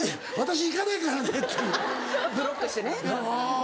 ブロックしてね。